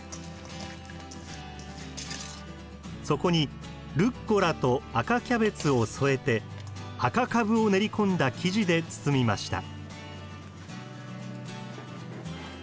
そこにルッコラと赤キャベツを添えて赤カブを練り込んだ生地で包みました。